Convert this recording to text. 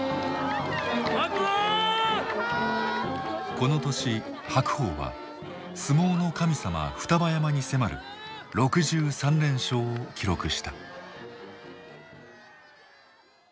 この年白鵬は「相撲の神様」双葉山に迫る６３連勝を記録した。